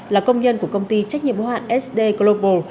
là công nhân của công ty trách nhiệm hóa sd global